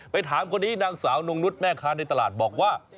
ถามคนนี้นางสาวนงนุษย์แม่ค้าในตลาดบอกว่า